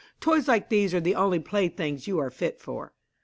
Toys like these are the only playthings you are fit for."